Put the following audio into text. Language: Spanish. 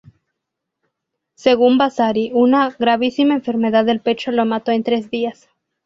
Según Vasari, una "gravísima enfermedad del pecho lo mató en tres días".